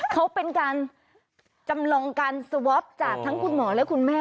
เขาเป็นการจำลองการสวอปจากทั้งคุณหมอและคุณแม่